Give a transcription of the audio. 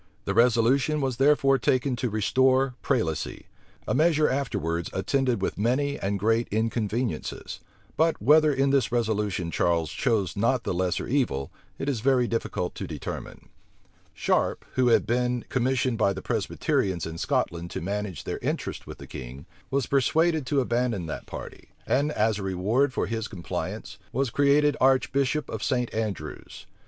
The resolution was therefore taken to restore prelacy; a measure afterwards attended with many and great inconveniencies: but whether in this resolution Charles chose not the lesser evil, it is very difficult to determine. Sharp, who had been commissioned by the Presbyterians in Scotland to manage their interests with the king, was persuaded to abandon that party; and, as a reward for his compliance, was created archbishop of St. Andrews.